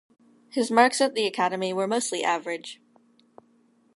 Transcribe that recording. His marks at the academy were mostly average.